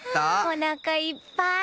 おなかいっぱい。